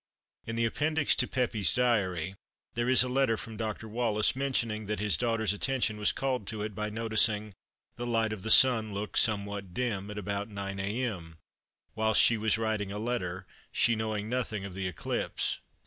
In the Appendix to Pepys's Diary there is a letter from Dr. Wallis mentioning that his daughter's attention was called to it by noticing "the light of the Sun look somewhat dim" at about 9 a.m., whilst she was writing a letter, she knowing nothing of the eclipse.